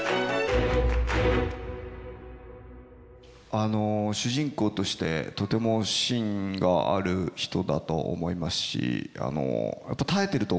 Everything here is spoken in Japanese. あの主人公としてとても芯がある人だと思いますし耐えてると思います。